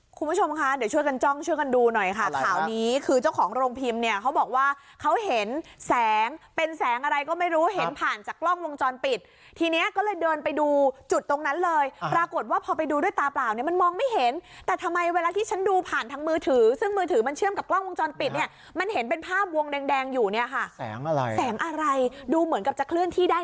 คุณผู้ชมคะเดี๋ยวช่วยกันจ้องช่วยกันดูหน่อยค่ะข่าวนี้คือเจ้าของโรงพิมพ์เนี่ยเขาบอกว่าเขาเห็นแสงเป็นแสงอะไรก็ไม่รู้เห็นผ่านจากกล้องวงจรปิดทีเนี้ยก็เลยเดินไปดูจุดตรงนั้นเลยปรากฏว่าพอไปดูด้วยตาเปล่าเนี่ยมันมองไม่เห็นแต่ทำไมเวลาที่ฉันดูผ่านทั้งมือถือซึ่งมือถือมันเชื่อมกับกล้